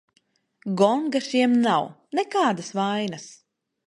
Gonga šiem nav, nekādas vainas.